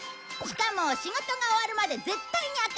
しかも仕事が終わるまで絶対に開かないよ。